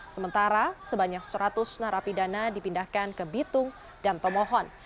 sementara sebanyak seratus narapidana dipindahkan ke bitung dan tomohon